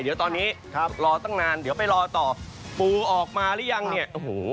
เดี๋ยวตอนนี้ครับรอตั้งนานเดี๋ยวไปรอต่อปูออกมาหรือยังเนี่ยโอ้โห